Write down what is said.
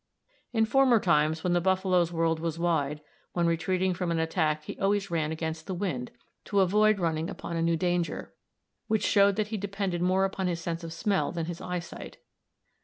In former times, when the buffalo's world was wide, when retreating from an attack he always ran against the wind, to avoid running upon a new danger, which showed that he depended more upon his sense of smell than his eye sight.